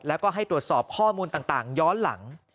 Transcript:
แล้วก็ให้ตรวจสอบข้อมูลต่างย้อนหลัง